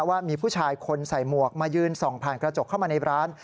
ว่ามีผู้ชายคนใส่หมวกมายืนส่องผ่านกระจกเข้ามาในร้าน